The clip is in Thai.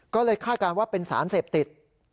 ก็เลยฆ่ากันว่าเป็นสารเสพติด